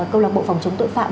công lạc bộ phòng chống tội phạm